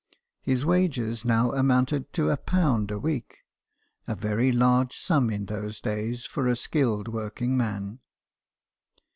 His wages now amounted to a pound a week, a very large sum in those days for a skilled working man.